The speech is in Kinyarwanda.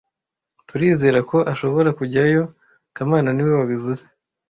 Turizera ko ashobora kujyayo kamana niwe wabivuze